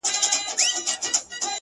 اې تاته وايم دغه ستا تر سترگو بـد ايسو ـ